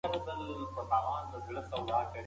په ټول ایران کې د اسماعیل نوم د خلکو په خولو کې و.